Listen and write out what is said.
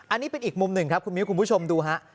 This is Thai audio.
อันนี้เป็นอีกมุมหนึ่งครับคุณมิ้วคุณผู้ชมดูฮะ